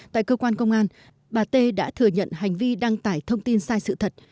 tại cơ quan công an bà t đã thừa nhận hành vi đăng tải thông tin sai sự thật